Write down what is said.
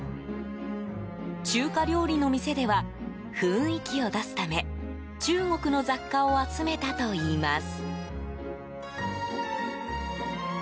中華料理の店では雰囲気を出すため中国の雑貨を集めたといいます。